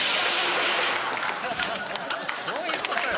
どういうことよ？